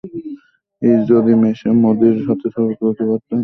ইশ,, যদি মোদির সাথে ছবি তুলতে পারতাম।